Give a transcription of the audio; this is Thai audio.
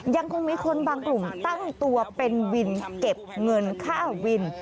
ยังคงมีคนบางกลุ่มตั้งตัวเป็นวินเก็บเงินค่าวิน